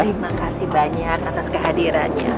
terima kasih banyak atas kehadirannya